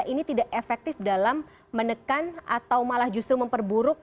ini tidak efektif dalam menekan atau malah justru memperburuk